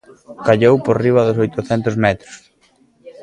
Callou por riba dos oitocentos metros.